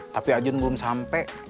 tapi ajun belum sampai